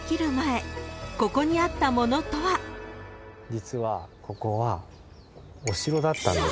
実はここはお城だったんです。